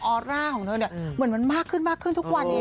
อร่าของเธอเนี่ยเหมือนมันมากขึ้นมากขึ้นทุกวันเอง